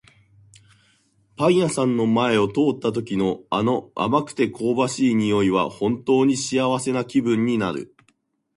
パン屋さんの前を通った時の、あの甘くて香ばしい匂いは本当に幸せな気分になる。